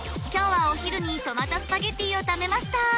今日はお昼にトマトスパゲッティを食べました。